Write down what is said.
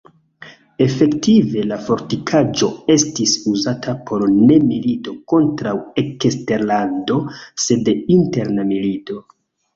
Efektive la fortikaĵo estis uzata por ne milito kontraŭ eksterlando sed interna milito.